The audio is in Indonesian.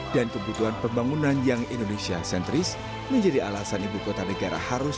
dan kebutuhan pembangunan yang indonesia sentris menjadi alasan ibu kota negara harus